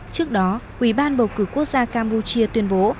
trước đó ủy ban bầu cử quốc gia campuchia tuyên bố